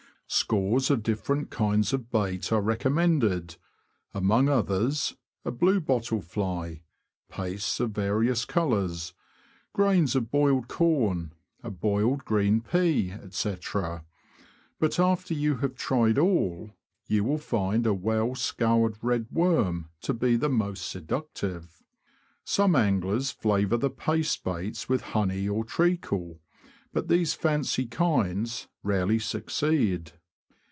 Scores of different kinds of bait are recommended ; among others, a bluebottle fly, pastes of various colours, grains of boiled corn, a boiled green pea, &c. ; but, after you have tried all, you will find a well scoured red worm to be the most seductive. Some anglers flavour the paste baits with honey or treacle ; but these fancy kinds rarely succeed.